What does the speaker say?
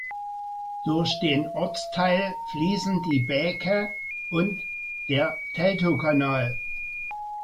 Durch den Ortsteil fließen die Bäke und der Teltowkanal.